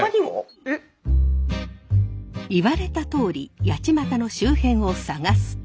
言われたとおり八街の周辺を探すと。